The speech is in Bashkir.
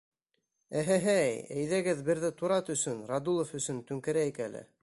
— Эһе-һей, әйҙәгеҙ берҙе турат өсөн, Радулов өсөн түңкәрәйек әле.